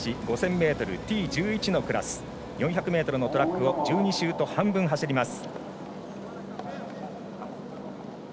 ｍＴ１１のクラス４００ｍのトラックを１２周と半分走ります。